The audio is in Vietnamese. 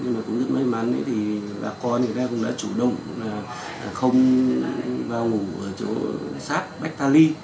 nhưng cũng rất may mắn là bà con cũng đã chủ động không vào ngủ ở chỗ sát bách ta ly